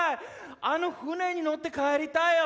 あの船に乗って帰りたいよ。